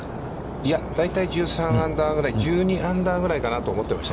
いや、大体、１３アンダーぐらい、１２アンダーぐらいかなと思ってました。